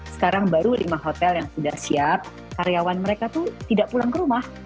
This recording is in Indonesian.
sekarang baru lima hotel yang sudah siap karyawan mereka tuh tidak pulang ke rumah